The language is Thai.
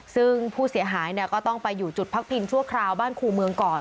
ซึ่งผู้เสียหายก็ต้องไปอยู่จุดพักพิงชั่วคราวบ้านครูเมืองก่อน